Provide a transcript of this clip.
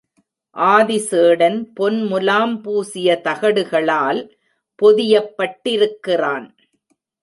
ஆதிசேடன் பொன் முலாம் பூசிய தகடுகளால் பொதியப்பட்டிருக்கிறான்.